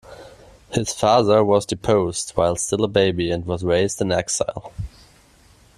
His father was deposed while still a baby and was raised in exile.